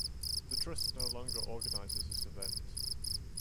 The Trust no longer organizes this event.